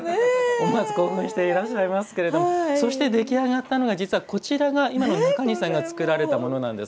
思わず興奮してしまいますがそして出来上がったのはこちら、中西さんが作られたものなんです。